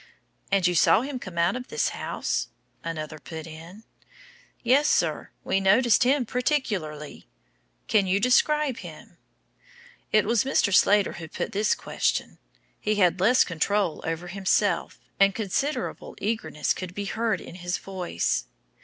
"And you saw him come out of this house?" another put in. "Yes, sir; we noticed him particularly." "Can you describe him?" It was Mr. Slater who put this question; he had less control over himself, and considerable eagerness could be heard in his voice.